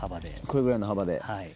これぐらいの幅で。